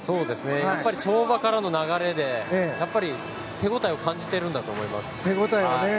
跳馬からの流れで手応えを感じているんだと思います。